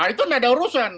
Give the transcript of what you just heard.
itu tidak ada urusan